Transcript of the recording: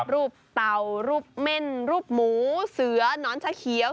เตารูปเม่นรูปหมูเสือหนอนชะเขียว